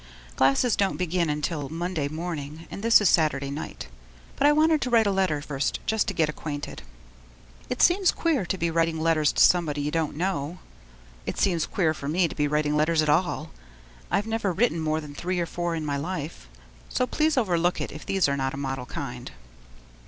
Classes don't begin until Monday morning, and this is Saturday night. But I wanted to write a letter first just to get acquainted. It seems queer to be writing letters to somebody you don't know. It seems queer for me to be writing letters at all I've never written more than three or four in my life, so please overlook it if these are not a model kind.